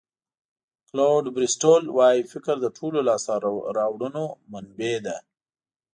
کلوډ بریسټول وایي فکر د ټولو لاسته راوړنو منبع ده.